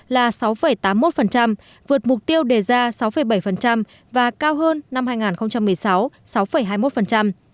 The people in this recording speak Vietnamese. là sáu tám mươi một vượt mục tiêu đề ra sáu bảy và cao hơn năm hai nghìn một mươi sáu sáu hai mươi một